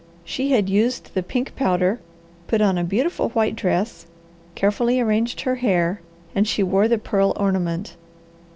She had used the pink powder, put on a beautiful white dress, carefully arranged her hair, and she wore the pearl ornament.